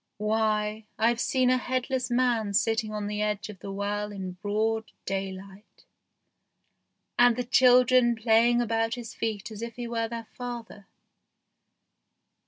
Why, I've seen a headless man sitting on the edge of the well in broad daylight, and the children play ing about his feet as if he were their father.